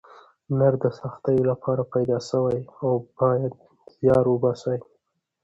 نر د سختیو لپاره پیدا سوی او باید زیار وباسئ.